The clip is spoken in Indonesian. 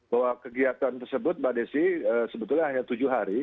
bahwa kegiatan tersebut mbak desi sebetulnya hanya tujuh hari